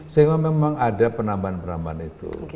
sehingga memang ada penambahan penambahan itu